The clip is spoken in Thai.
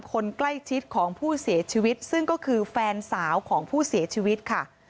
คนใกล้ชิดของผู้เสียชีวิตซึ่งก็คือแฟนสาวของผู้เสียชีวิตค่ะ